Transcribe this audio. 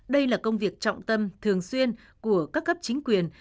đây là công việc trọng tâm thường xuyên của các cấp chính quyền